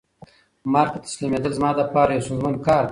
مرګ ته تسلیمېدل زما د پاره یو ستونزمن کار دی.